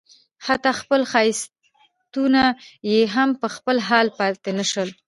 حتی خپل ښایستونه یې هم په خپل حال پاتې نه شول.